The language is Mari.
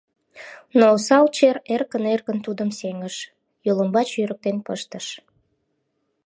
Но осал чер эркын-эркын тудым сеҥыш, йолымбач йӧрыктен пыштыш.